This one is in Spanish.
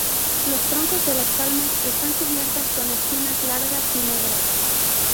Los troncos de las palmas están cubiertas con espinas largas y negras.